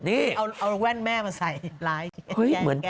เอาแว่นแม่มาใส่ลายแก้ง